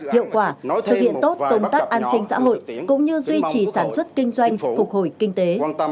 hiệu quả thực hiện tốt công tác an sinh xã hội cũng như duy trì sản xuất kinh doanh phục hồi kinh tế